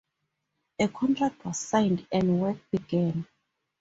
A contract was signed, and work began.